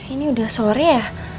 ini udah sore ya